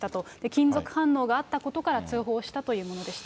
金属反応があったことから通報したというものでした。